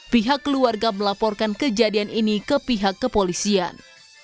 pihak keluarga melaporkan kejadian ini ke pihak kepolisian